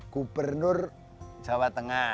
gubernur jawa tengah